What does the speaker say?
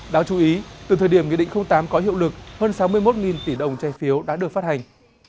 đáng chú ý từ thời điểm nghị định tám có hiệu lực hơn sáu mươi một tỷ đồng trái phiếu đã được phát hành